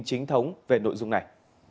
chính thống về nội dung này